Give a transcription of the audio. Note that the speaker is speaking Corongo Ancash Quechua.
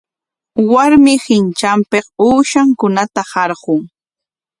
Warmi qintranpik uushankunata qarqun.